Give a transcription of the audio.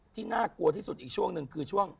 น่ากลัวที่สุดอีกช่วงหนึ่งคือช่วง